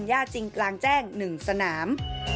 ย่าจิงกลางแจ้งหนึ่งสนาม